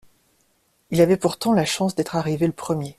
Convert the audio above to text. Il avait pourtant la chance d'être arrivé le premier.